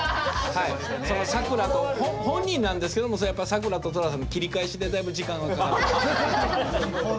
そのさくらと本人なんですけどもやっぱさくらと寅さんの切り返しでだいぶ時間がかかるんで。